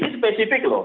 ini spesifik loh